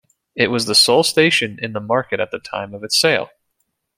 It was the sole station in the market at the time of its sale.